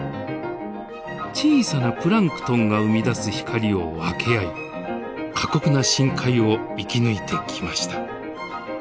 小さなプランクトンが生み出す光を分け合い過酷な深海を生き抜いてきました。